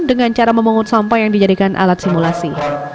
dengan cara memungut sampah yang dijadikan alat simulasi